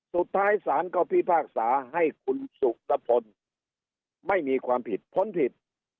สุดท้ายศาลก็พิพากษาให้คุณสุตะพลไม่มีความผิดพ้นผิด